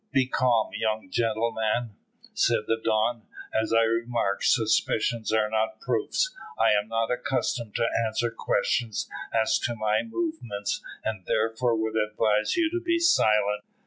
"Be calm, young gentleman," said the Don. "As I remarked, suspicions are not proofs. I am not accustomed to answer questions as to my movements, and therefore would advise you to be silent."